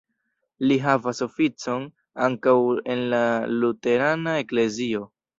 Li havas oficon ankaŭ en la luterana eklezio.